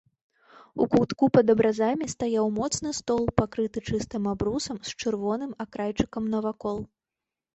У кутку пад абразамі стаяў моцны стол, пакрыты чыстым абрусам з чырвоным акрайчыкам навакол.